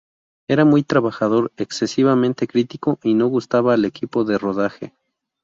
Era muy trabajador, excesivamente crítico, y no gustaba al equipo de rodaje.